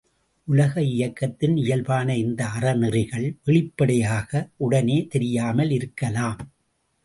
உலக இயக்கத்தின் இயல்பான இந்த அறநெறிகள் வெளிப்படையாக, உடனே தெரியாமல் இருக்கலாம்.